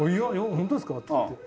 ホントですか？って言って。